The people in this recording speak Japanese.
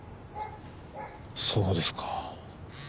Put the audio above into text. そうですか。